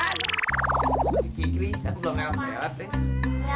si kikri kan belum elat elat ya